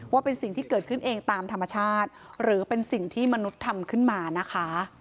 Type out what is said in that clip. ว่าเป็นสิ่งที่เกิดขึ้นเองตามธรรมชาติหรือเป็นสิ่งที่มนุษย์ทำขึ้นมานะคะ